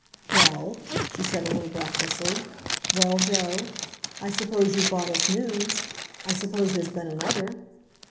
"Well?" she said a little breathlessly. "Well, Joe? I suppose you've brought us news? I suppose there's been another?"